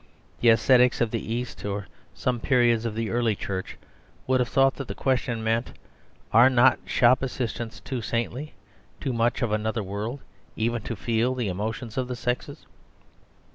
The ascetics of the East or of some periods of the early Church would have thought that the question meant, "Are not shop assistants too saintly, too much of another world, even to feel the emotions of the sexes?"